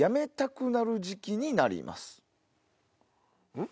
うん？